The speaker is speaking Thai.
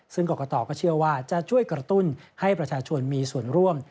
ซึ่งกรกตก็เชื่อว่าจะช่วยกระตุ้นให้ประชาชนมีส่วนร่วม